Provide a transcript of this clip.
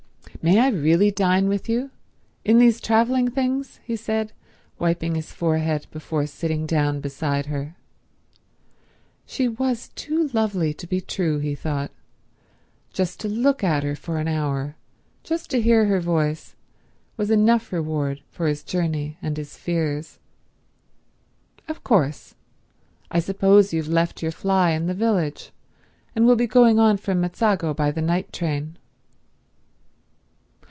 "May I really dine with you? In these travelling things?" he said, wiping his forehead before sitting down beside her. She was too lovely to be true, he thought. Just to look at her for an hour, just to hear her voice, was enough reward for his journey and his fears. "Of course. I suppose you've left your fly in the village, and will be going on from Mezzago by the night train."